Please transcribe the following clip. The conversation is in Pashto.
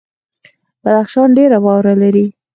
بدخشان ډیره واوره لري